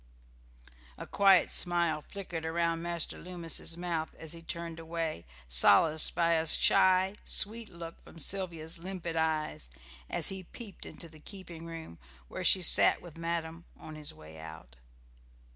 A quiet smile flickered around Master Loomis's mouth as he turned away, solaced by a shy, sweet look from Sylvia's limpid eyes, as he peeped into the keeping room, where she sat with madam, on his way out.